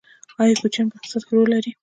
آیا کوچیان په اقتصاد کې رول لري؟